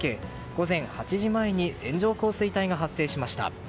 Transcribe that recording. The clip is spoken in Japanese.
午前８時前に線状降水帯が発生しました。